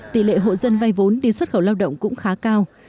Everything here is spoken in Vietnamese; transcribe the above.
tỷ lệ hộ dân vay vốn đi xuất khẩu lao động cũng khá cao